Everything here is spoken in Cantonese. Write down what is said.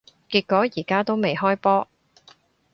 結果而家都未開波